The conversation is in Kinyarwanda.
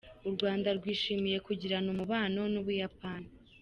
U Rwanda rwishimiye kugirana umubano n’u Buyapani.